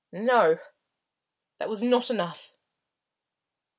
No, that was not enough.